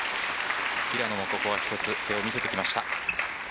平野もここは一つ見せてきました。